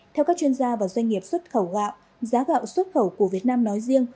theo các chuyên gia và doanh nghiệp xuất khẩu gạo giá gạo xuất khẩu của việt nam nói riêng